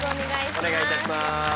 お願いいたします。